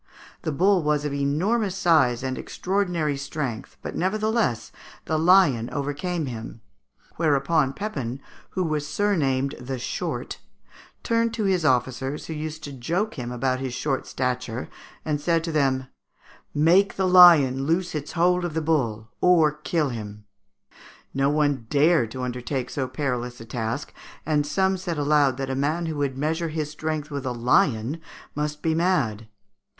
The bull was of enormous size and extraordinary strength, but nevertheless the lion overcame him; whereupon Pepin, who was surnamed the Short, turned to his officers, who used to joke him about his short stature, and said to them, "Make the lion loose his hold of the bull, or kill him." No one dared to undertake so perilous a task, and some said aloud that the man who would measure his strength with a lion must be mad.